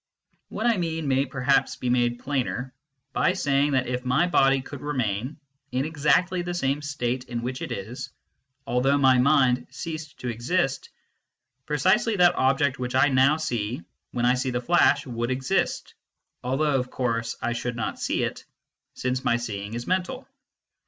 What I mean may perhaps be made plainer by saying that if my body could remain in exactly the same state in which it is, although my mind had ceased to exist, precisely that object which I now see when I see the flash would exist, although of course I should not see it, since my seeing is mental.